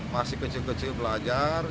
masih kecil kecil belajar